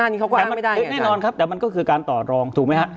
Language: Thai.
แน่นอนครับแต่มันก็คือการตอบรอง